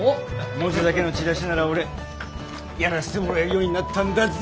文字だけのチラシなら俺やらしてもらえるようになったんだぜ！